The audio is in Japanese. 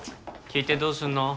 聞いてどうすんの？